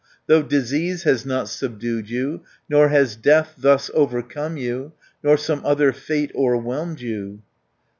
Though disease has not subdued you. Nor has death thus overcome you, Nor some other fate o'erwhelmed you."